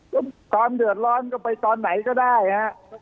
ก็ความเดือดร้อนก็ไปตอนไหนก็ได้ฮะ